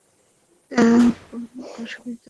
কোন অসুবিধা হবে না!